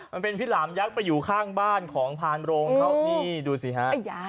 มันเป็นพี่หลามยักษ์ไปอยู่ข้างบ้านของพานโรงเขานี่ดูสิฮะ